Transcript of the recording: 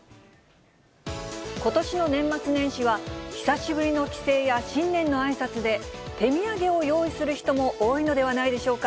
ことしの年末年始は、久しぶりの帰省や新年のあいさつで、手土産を用意する人も多いのではないでしょうか。